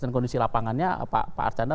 dan kondisi lapangannya pak arcanda